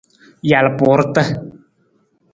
Jalpuurata.